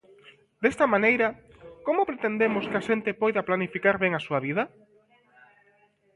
Desta maneira ¿como pretendemos que a xente poida planificar ben a súa vida?